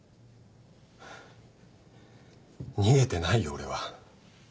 逃げてないよ俺は。